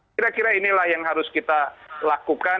kira kira inilah yang harus kita lakukan